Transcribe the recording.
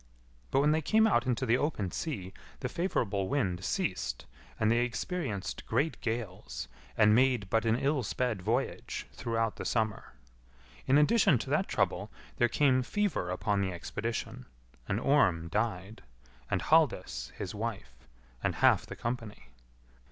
But when they came out into the open sea the favourable wind ceased, and they experienced great gales, and made but an ill sped voyage throughout the summer. In addition to that trouble, there came fever upon the expedition, and Orm died, and Halldis, his wife, and half the company.